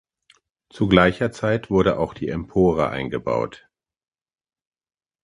Zu gleicher Zeit wurde auch die Empore eingebaut.